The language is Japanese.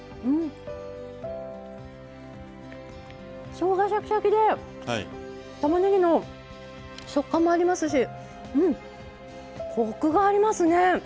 しょうがシャキシャキでたまねぎの食感もありますしコクがありますね。